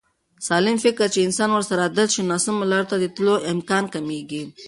. سالم فکر چې انسان ورسره عادت شي، ناسمو لارو ته د تلو امکان کمېږي.